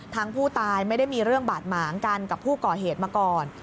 ผู้ตายไม่ได้มีเรื่องบาดหมางกันกับผู้ก่อเหตุมาก่อน